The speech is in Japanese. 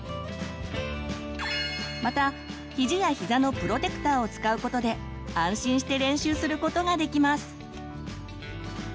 またひじやひざのプロテクターを使うことで安心して練習することができます。